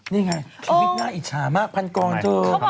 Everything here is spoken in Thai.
นี่ไงชีวิตน่าอิจฉามากพันกรเธอ